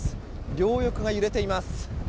両翼が揺れています。